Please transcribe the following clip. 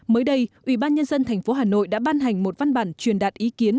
mới đây ubnd tp hà nội đã ban hành một văn bản truyền đạt ý kiến